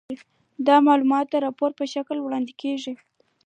دا معلومات د راپور په شکل وړاندې کیږي.